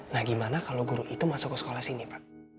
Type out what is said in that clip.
nah gimana kalau guru itu masuk ke sekolah sini pak